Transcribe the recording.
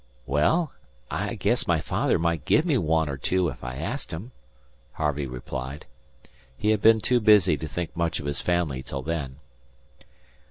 "Well, I guess my father might give me one or two if I asked 'em," Harvey replied. He had been too busy to think much of his family till then.